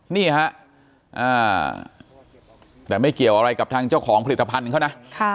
นี่ฮะแต่ไม่เกี่ยวอะไรกับทางเจ้าของผลิตภัณฑ์เขานะ